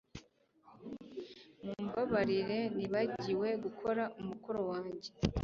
Mumbabarire nibagiwe gukora umukoro wanjye